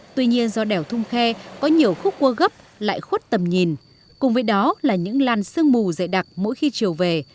tuy nhiên do đèo thung khe có nhiều khúc quơ gấp lại khuất tầm nhìn cùng với đó là những lan sương mù dậy đặc mỗi khi trở về